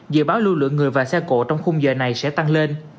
dự báo lưu lượng người và xe cộ trong khung giờ này sẽ tăng lên